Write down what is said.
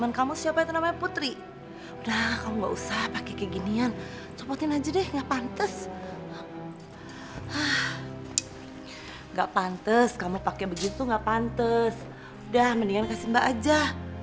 nanti gue kasih mbak aja